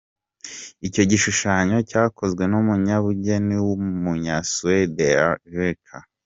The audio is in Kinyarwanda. Icyo gishushanyo cyakozwe numunyabugeni wumunya Suede Lars Vilks.